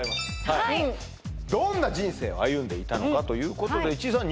はいどんな人生を歩んでいたのかということで市井さん